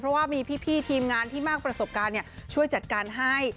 เพราะว่ามีพี่ทีมงานที่มากประสบการณ์ช่วยจัดการให้